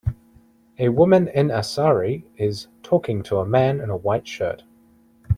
A woman in a sari is talking to a man in a white shirt.